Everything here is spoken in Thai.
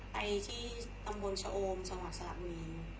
ไปที่ตำบลชะโอมจังหวัดสระบุรี